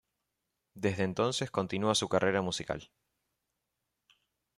Desde entonces continúa su carrera musical.